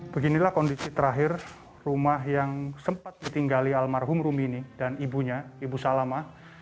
beginilah kondisi terakhir rumah yang sempat ditinggali almarhum rumini dan ibunya ibu salama